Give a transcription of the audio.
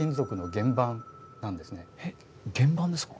原盤ですか？